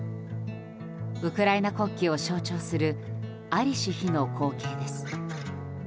ウクライナ国旗を象徴する在りし日の光景です。